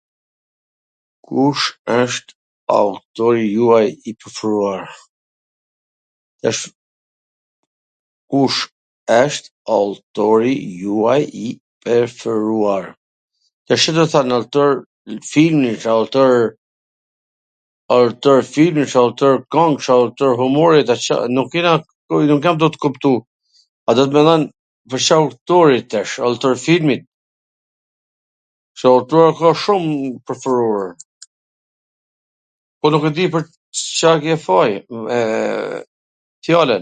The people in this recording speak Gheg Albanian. kush wsht autori juaj i preferuar? Tash Ca do t thon, autor filmi, autor kongsh, autor humorit, a Car nuk jam tu t kuptu, domethwn Ca autorit asht, autor filmi, se autor ka shum t preferuar, po nuk e di pwr Ca e ke fajin, eee, fjalwn.